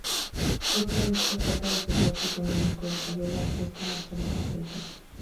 Otra vez, por falta de soporte económico decayó la orquesta hasta desaparecer.